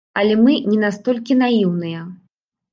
Але мы не настолькі наіўныя.